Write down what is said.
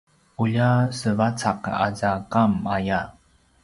ulja sevacaq aza qam aya